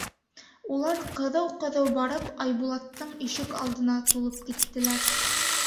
Улар, ҡыҙыу-ҡыҙыу барып, Айбулаттың ишек алдына тулып киттеләр.